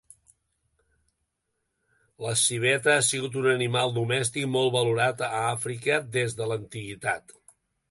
La civeta ha sigut un animal domèstic molt valorat a Àfrica des de l'antiguitat.